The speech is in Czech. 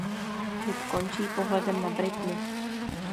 Klip končí pohledem na Britney.